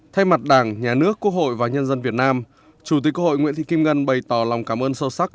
thay mặt đảng nhà nước quốc hội và nhân dân việt nam chủ tịch quốc hội nguyễn thị kim ngân bày tỏ lòng cảm ơn sâu sắc